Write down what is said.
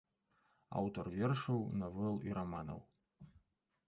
Аўтар вершаў, навел і раманаў.